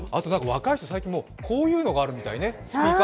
若い人、こういうのあるみたいね。